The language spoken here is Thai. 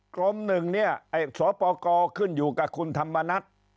กรมหนึ่งเนี่ยสปกขึ้นอยู่กับคุณธรรมนัฐ